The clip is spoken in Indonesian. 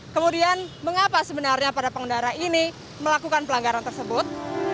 kemudian mengapa sebenarnya para pengendara ini melakukan pelanggaran tersebut